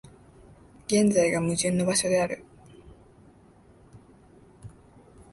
現在が矛盾の場所である。